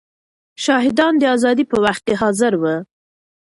شاهدان د ازادۍ په وخت کې حاضر وو.